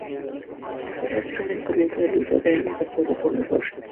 Las guerras vieron el comienzo del uso de armas de fuego por los xhosa.